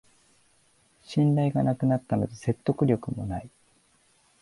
信頼がなくなったので説得力もない